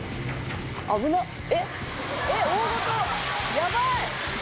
「やばい！」